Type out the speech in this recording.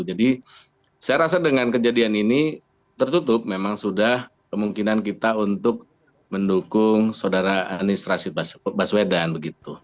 jadi saya rasa dengan kejadian ini tertutup memang sudah kemungkinan kita untuk mendukung saudara anis rasid baswedan begitu